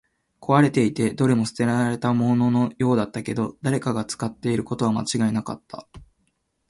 壊れていて、どれも捨てられたもののようだったけど、誰かが使っていることは間違いなかった